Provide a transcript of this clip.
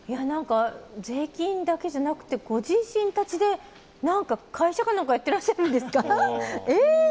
税金だけじゃなくてご自身たちで会社かなんかやってらっしゃるんですか？